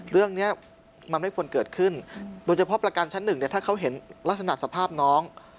เรื่องนี้มันไม่ควรเกิดขึ้นโดยเฉพาะประกันชั้นหนึ่งเนี่ยถ้าเขาเห็นลักษณะสภาพน้อง